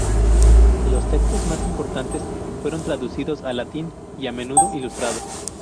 Los textos más importantes fueron traducidos al latín y a menudo ilustrados.